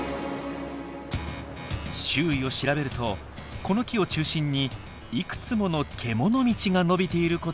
周囲を調べるとこの木を中心にいくつもの獣道が伸びていることが分かりました。